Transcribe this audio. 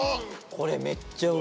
これ。